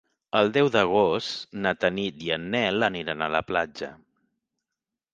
El deu d'agost na Tanit i en Nel aniran a la platja.